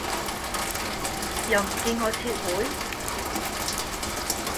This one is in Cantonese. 又唔見我撤回